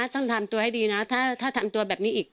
ต้องทำตัวให้ดีนะถ้าทำตัวแบบนี้อีก